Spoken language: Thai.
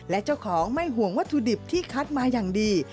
และเจ้าของไม่ห่วงวัตถุดิบที่คัดมาอย่างดี